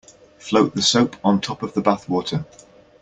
Float the soap on top of the bath water.